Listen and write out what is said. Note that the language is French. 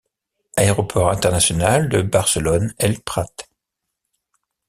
Aéroport international de Barcelone-El Prat.